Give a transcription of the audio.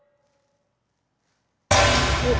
おっ。